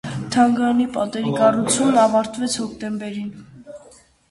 Թանգարանի պատերի կառուցումն ավարտվեց հոկտեմբերին։